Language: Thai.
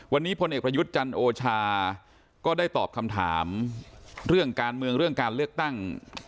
วันนี้พลเอกประยุทธ์จันทร์โอชาก็ได้ตอบคำถามเรื่องการเมืองเรื่องการเลือกตั้ง